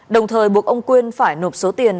đồng thời buộc ông quyên phải nộp số tiền